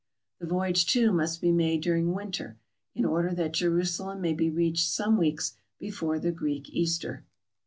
The voyage, too, must be made during winter, in order that Jerusalem may be reached some weeks before the Greek Easter.